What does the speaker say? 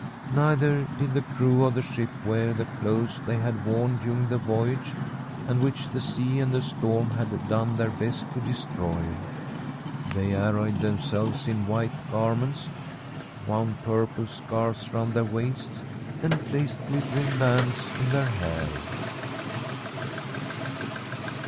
Neither did the crew of the ship wear the clothes they had worn during the voyage, and which the sea and the storm had done their best to destroy. They arrayed them selves in white garments, wound purple scarves round their waists, and placed glittering bands in their hair.